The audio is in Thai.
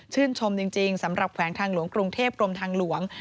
ชมจริงสำหรับแขวงทางหลวงกรุงเทพกรมทางหลวง